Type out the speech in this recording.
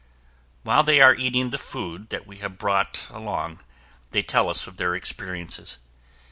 While they are eating the food that we have brought along, they tell us of their experiences.